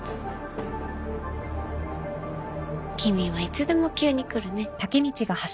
君はいつでも急に来るね。